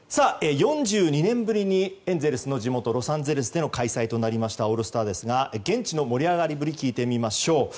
４２年ぶりにエンゼルスの地元ロサンゼルスでの開催となりましたオールスターですが現地の盛り上がりぶりを聞いてみましょう。